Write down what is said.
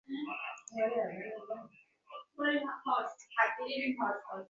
আচ্ছা সেই ভালো, তা হলে আমি কী করব।